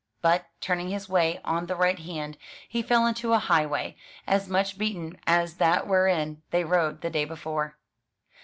But, turning his way on the right hand, he fell into a highway, as much beaten as that wherein they rode the day before.